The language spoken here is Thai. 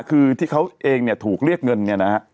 คือที่เขาเองเนี่ยถูกเรียกเงินเนี่ยนะฮะ